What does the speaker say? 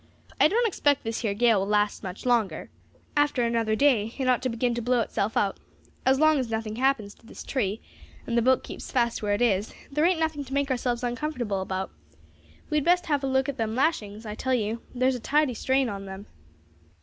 I don't expect this here gale will last much longer; after another day it ought to begin to blow itself out. As long as nothing happens to this tree, and the boat keeps fast where it is, there ain't nothing to make ourselves uncomfortable about. We'd best have a look at them lashings; I tell you, there is a tidy strain on them."